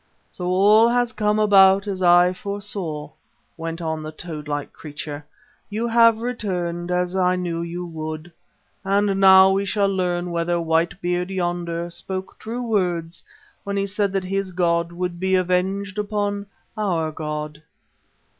"So all has come about as I foresaw," went on the toad like creature. "You have returned, as I knew you would, and now we shall learn whether White Beard yonder spoke true words when he said that his god would be avenged upon our god.